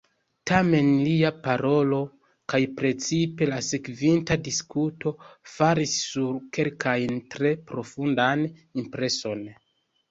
Tamen lia parolo, kaj precipe la sekvinta diskuto, faris sur kelkajn tre profundan impreson.